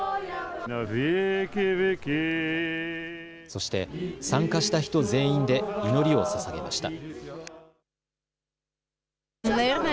そして参加した人全員で祈りをささげました。